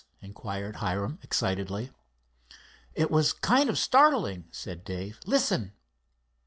inquired Hiram excitedly. "It was kind of startling," said Dave. "Listen."